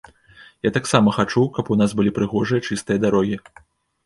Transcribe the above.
Я таксама хачу, каб у нас былі прыгожыя, чыстыя дарогі.